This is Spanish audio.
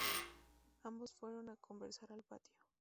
Ambos fueron a conversar al patio.